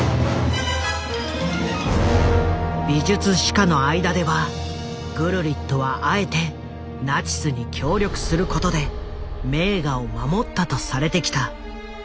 美術史家の間ではグルリットはあえてナチスに協力することで名画を守ったとされてきた。